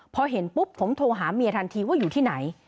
พอเห็นปุ๊บผมโทรหาเมียทันทีว่าอยู่ที่ไหน